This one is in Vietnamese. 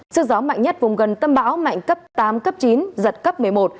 sức gió mạnh nhất vùng gần tâm bão mạnh cấp tám cấp chín giật cấp một mươi một